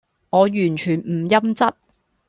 我完全唔陰質